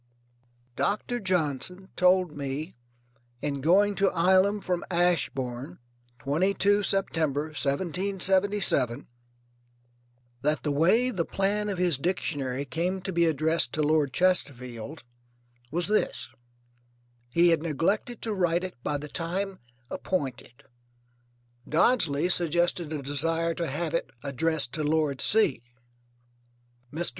Doctor Johnson told me in going to Ilam from Ashbourne, 22 September, 1777, that the way the plan of his Dictionary came to be addressed to Lord Chesterfield was this: He had neglected to write it by the time appointed. Dodsley suggested a desire to have it addressed to Lord C. Mr.